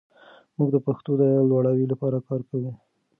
موږ د پښتو د لوړاوي لپاره کار کوو.